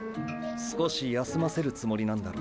少し休ませるつもりなんだろ